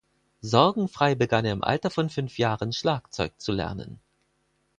Sorgenfrei begann im Alter von fünf Jahren Schlagzeug zu lernen.